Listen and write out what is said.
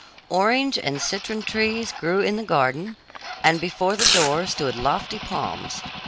Orange and citron trees grew in the garden, and before the door stood lofty palms.